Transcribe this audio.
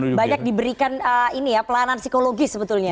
jadi banyak diberikan pelanan psikologis sebetulnya